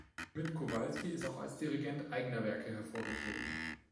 Schmidt-Kowalski ist auch als Dirigent eigener Werke hervorgetreten.